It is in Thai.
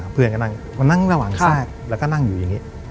เพื่อนก็นั่งมานั่งระหว่างแทรกแล้วก็นั่งอยู่อย่างนี้